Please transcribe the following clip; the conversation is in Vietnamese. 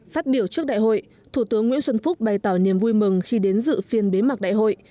phát biểu trước đại hội thủ tướng nguyễn xuân phúc bày tỏ niềm vui mừng khi đến dự phiên bế mạc đại hội